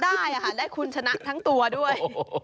ได้ค่ะได้คุณชนะทั้งตัวด้วย